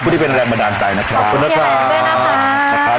ผู้ที่เป็นแรงบันดาลใจนะครับขอบคุณนะครับขอบคุณเฮียแหลนด้วยนะฮะ